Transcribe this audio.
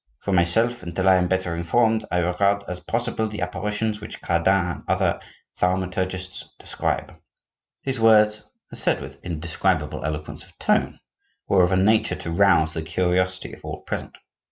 For myself, until I am better informed, I regard as possible the apparitions which Cardan and other thaumaturgists describe." These words, said with indescribable eloquence of tone, were of a nature to rouse the curiosity of all present.